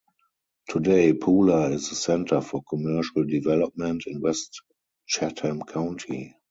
Today, Pooler is the center for commercial development in west Chatham County.